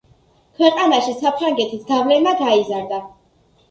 ქვეყანაში საფრანგეთის გავლენა გაიზარდა.